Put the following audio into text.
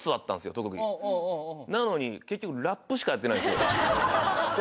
特技なのに結局ラップしかやってないんですよ